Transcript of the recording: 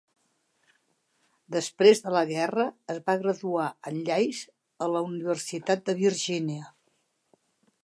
Després de la guerra es va graduar en lleis a la Universitat de Virgínia.